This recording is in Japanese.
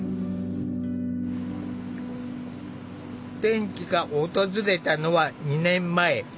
転機が訪れたのは２年前。